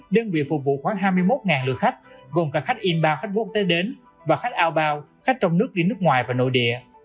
đơn vị phục vụ khoảng hai mươi một lượt khách gồm cả khách inbound khách quốc tế đến và khách outbound khách trong nước đi nước ngoài và nội địa